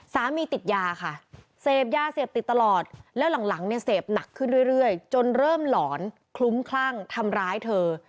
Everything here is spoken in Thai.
ติดยาค่ะเสพยาเสพติดตลอดแล้วหลังเนี่ยเสพหนักขึ้นเรื่อยจนเริ่มหลอนคลุ้มคลั่งทำร้ายเธอ